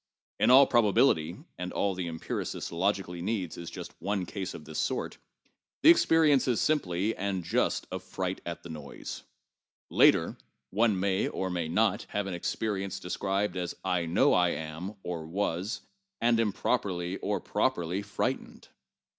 In all probability (and all the empiricist logically needs is just one case of which this is true) the experience is simply and just of fright at the noise. Later one may (or may not) have an experience describable as I know I am ( or was) and improperly or properly, frightened.